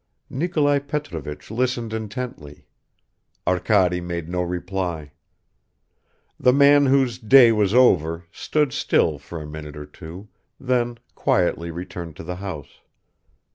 Nikolai Petrovich listened intently ... Arkady made no reply. The man whose day was over stood still for a minute or two, then quietly returned to the house.